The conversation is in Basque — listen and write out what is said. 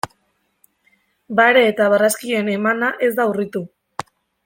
Bare eta barraskiloen emana ez da urritu.